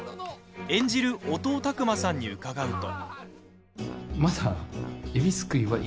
演じる音尾琢真さんに伺うと。